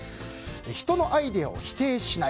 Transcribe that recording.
人のアイデアを否定しない。